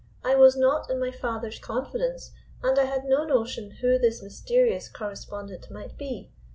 I was not in my father's confidence, and I had no notion who his mysterious correspondent might be.